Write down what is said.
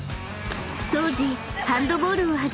［当時ハンドボールを］